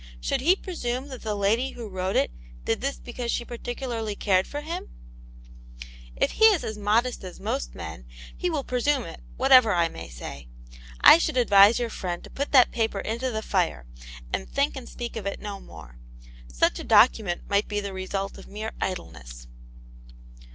Should he presume that the lady who wrote it did this because she particularly cared for him .?"" If he is as modest as most men, he will presume it, whatever I may say. I should advise your friend to put that paper into the fire, and think and speak of it no more. Such a document might be the result of mere idleness."